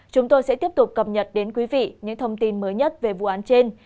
chúng tôi sẽ tiếp tục cập nhật đến quý vị những thông tin mới nhất về vụ án trên